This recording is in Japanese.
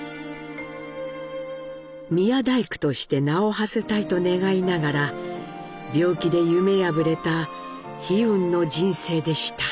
宮大工として名をはせたいと願いながら病気で夢破れた悲運の人生でした。